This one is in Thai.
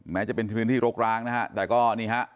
แม้จะเป็นพื้นที่รกร้างนะฮะแต่ก็นี่ฮะ